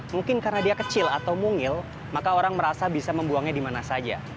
mungkin karena dia kecil atau mungil maka orang merasa bisa membuangnya di mana saja